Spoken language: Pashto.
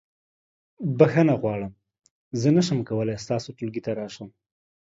بخښنه غواړم زه نشم کولی ستاسو ټولګي ته راشم.